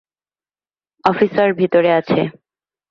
Officer ভিতরে আছে।